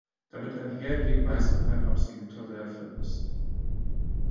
Damit einher geht meist auch ein absoluter Wertverlust.